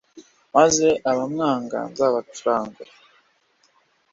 maze abamwanga nzabacurangure